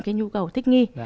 cái nhu cầu thích nghi